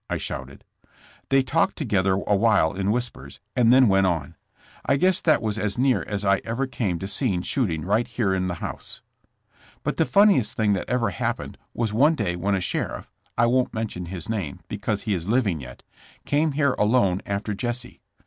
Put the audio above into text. I shouted. They talked together awhile in whispers and then went on. I guess that was as near as I ever came to seeing shooting right here in the house. *'But the funniest thing that ever happened was one day when a sheriff — I won't mention his name, because he is living yet— came here alone after Jesse.